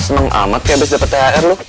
seneng amat ya abis dapet thr lu